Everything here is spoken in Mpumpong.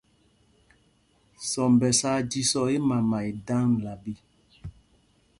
Sɔmb aa jīsɔ̄ɔ̄ ímama í daŋla ɓîk.